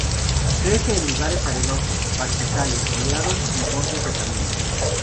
Crece en lugares arenosos, pastizales soleados y bordes de caminos.